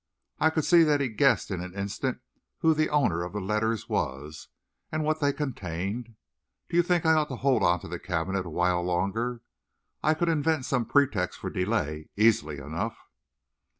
I could see that he guessed in an instant who the owner of the letters was, and what they contained. Do you think I ought to hold on to the cabinet a while longer? I could invent some pretext for delay, easily enough."